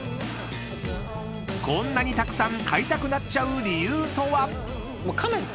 ［こんなにたくさん飼いたくなっちゃう理由とは？］